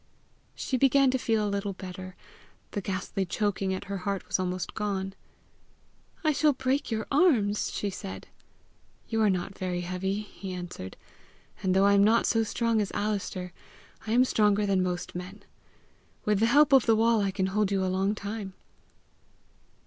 She began to feel a little better; the ghastly choking at her heart was almost gone. "I shall break your arms!" she said. "You are not very heavy," he answered; "and though I am not so strong as Alister, I am stronger than most men. With the help of the wall I can hold you a long time."